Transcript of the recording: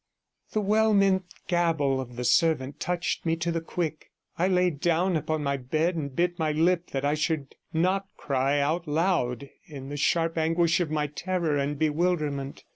68 The well meant gabble of the servant touched me to the quick; I lay down upon my bed, and bit my lip that I should not cry out loud in the sharp anguish of my terror and bewilderment.